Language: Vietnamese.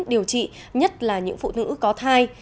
điều trị nhất là những phụ nữ có thai